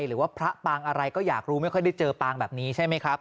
หรือว่าพระปางอะไรก็อยากรู้ไม่ค่อยได้เจอปางแบบนี้ใช่ไหมครับ